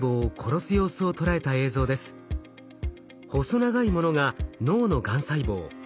細長いものが脳のがん細胞。